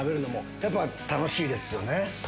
やっぱり楽しいですよね。